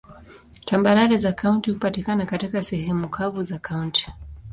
Tambarare za kaunti hupatikana katika sehemu kavu za kaunti.